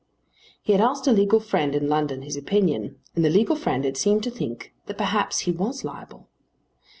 He had asked a legal friend in London his opinion, and the legal friend had seemed to think that perhaps he was liable.